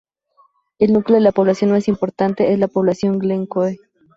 El núcleo de población más importante es la población de Glencoe.